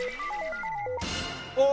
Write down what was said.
お！